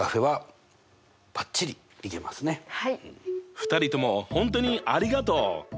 ２人とも本当にありがとう！